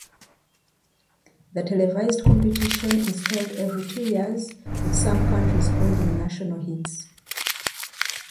The televised competition is held every two years, with some countries holding national heats.